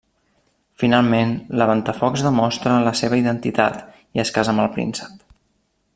Finalment, la Ventafocs demostra la seva identitat i es casa amb el príncep.